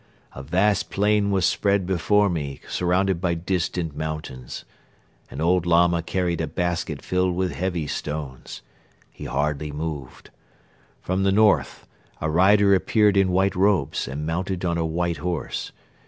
A vast plain was spread before me surrounded by distant mountains. An old Lama carried a basket filled with heavy stones. He hardly moved. From the north a rider appeared in white robes and mounted on a white horse.